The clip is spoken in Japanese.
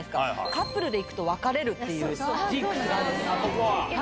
カップルで行くと別れるっていうジンクスがあるんですよ。